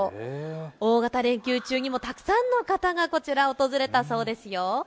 大型連休中にもたくさんの方がこちら、訪れたそうですよ。